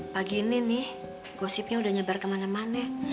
pagi ini nih gosipnya udah nyebar kemana mana